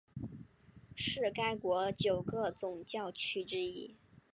是该国九个总教区之一。